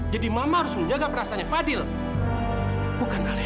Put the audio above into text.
jadi mama harus menjaga perasaannya fadl bukan alena